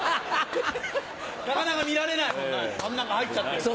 なかなか見られないもんねあん中入っちゃってるから。